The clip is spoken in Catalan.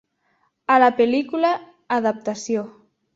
A la pel·lícula "Adaptació".